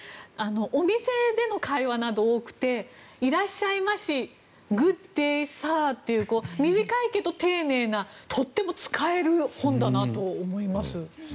お店での会話など、多くていらっしゃいましグッデーサーっていう短いけど丁寧なとっても使える本だなと思います。